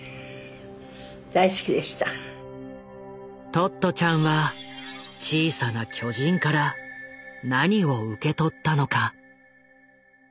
トットちゃんは「小さな巨人」から何を受け取ったのか。